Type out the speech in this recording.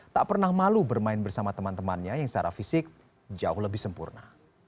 tak pernah malu bermain bersama teman temannya yang secara fisik jauh lebih sempurna